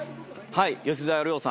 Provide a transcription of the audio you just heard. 吉沢亮さん